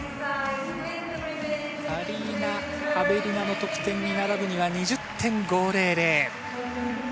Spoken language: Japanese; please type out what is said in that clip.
アリーナ・アベリナの得点に並ぶには２０．５００。